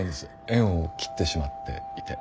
縁を切ってしまっていて。